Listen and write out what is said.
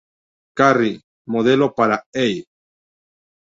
Carrie modeló para E!